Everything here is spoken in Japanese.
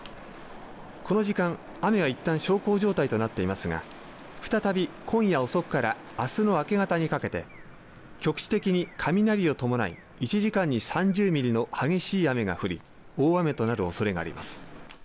この時間、雨は、いったん小康状態となっていますが再び今夜遅くからあすの明け方にかけて局地的に雷を伴い１時間に３０ミリの激しい雨が降り大雨となるおそれがあります。